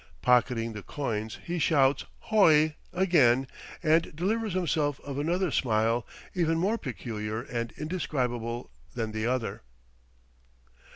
Pocketing the coins, he shouts "h o i!'" again, and delivers himself of another smile even more peculiar and indescribable than the other.